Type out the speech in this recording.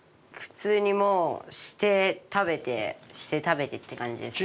普通にもうして食べてして食べてって感じですね。